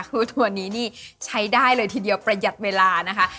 คือถั่วนี้นี่ใช้ได้เลยทีเดียวประหยัดเวลานะคะ